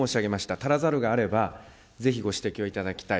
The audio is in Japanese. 足らざるがあれば、ぜひご指摘をいただきたい。